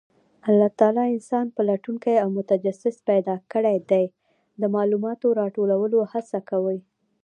الله تعالی انسان پلټونکی او متجسس پیدا کړی دی، د معلوماتو راټولولو هڅه کوي.